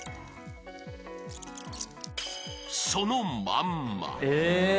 ［そのまんま］